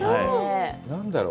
何だろう。